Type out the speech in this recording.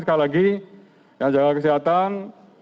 sekali lagi yang jaga kesehatan